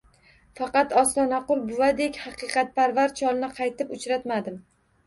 Faqat, Ostonaqul buvadek haqiqatparvar cholni qaytib uchratmadim